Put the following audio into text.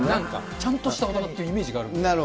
なんか、ちゃんとした大人っていうイメージがあるので。